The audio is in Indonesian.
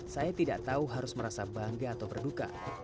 saya tidak tahu harus merasa bangga atau berduka